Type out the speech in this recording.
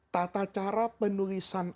tata cara penulisan al quran itu